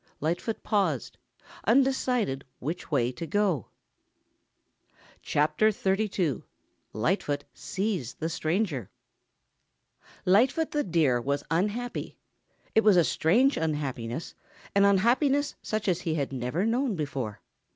Lightfoot paused, undecided which way to go. CHAPTER XXXII LIGHTFOOT SEES THE STRANGER Lightfoot the Deer was unhappy. It was a strange unhappiness, an unhappiness such as he had never known before.